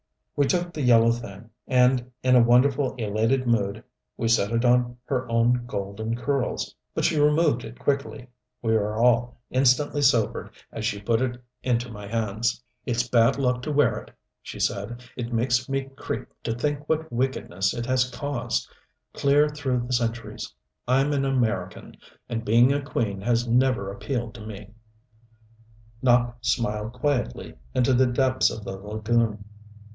We took the yellow thing, and in a wonderful, elated mood, we set it on her own golden curls. But she removed it quickly. We were all instantly sobered as she put it into my hands. "It's bad luck to wear it," she said. "It makes me creep to think what wickedness it has caused clear through the centuries. I'm an American and being a queen has never appealed to me." Nopp smiled quietly, into the depths of the lagoon.